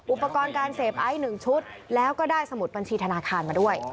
อุปกรณ์การเสพไอซ์๑ชุดแล้วก็ได้สมุดบัญชีธนาคารมาด้วย